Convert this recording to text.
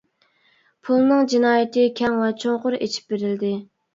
پۇلنىڭ جىنايىتى كەڭ ۋە چوڭقۇر ئېچىپ بېرىلدى.